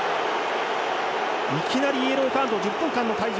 いきなりイエローカード１０分間の退場。